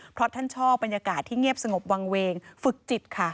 เพราะท่านชอบบรรยากาศที่เงียบสงบวางเวงฝึกจิตค่ะ